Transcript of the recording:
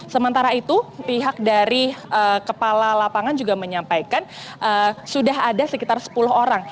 sementara itu pihak dari kepala lapangan juga menyampaikan sudah ada sekitar sepuluh orang